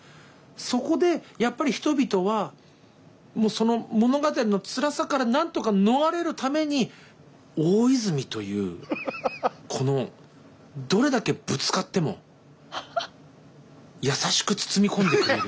そこでやっぱり人々はその物語のつらさからなんとか逃れるために大泉というこのどれだけぶつかっても優しく包み込んでくれる。